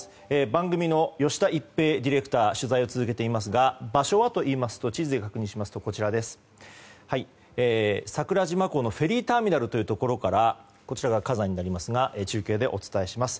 番組の吉田一平ディレクター取材を続けていますが場所はといいますと桜島港のフェリーターミナルというところからこちらが火山になりますが中継でお伝えします。